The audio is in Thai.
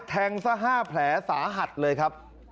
แทงซะ๕แผลสาหัสเลยครับ